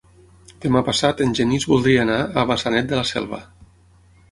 Demà passat en Genís voldria anar a Maçanet de la Selva.